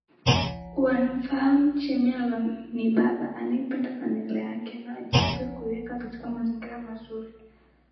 wanafahamu Chameleone ni baba anayeipenda familia yake anayewajibika kuiweka katika mazingira mazuri